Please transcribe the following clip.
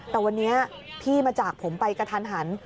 แต่วันนี้พี่มาจากผมไปกระทันหัน